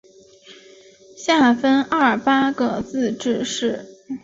下分廿八个自治市。